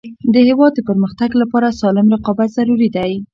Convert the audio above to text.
د هیواد د پرمختګ لپاره سالم رقابت ضروري دی.